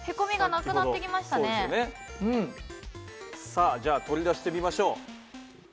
さあじゃあ取り出してみましょう。